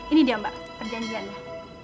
ini dia mbak perjanjiannya